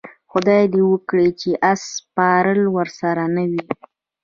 خدای دې وکړي چې اس سپاره ورسره نه وي.